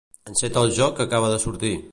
Enceta el joc que acaba de sortir.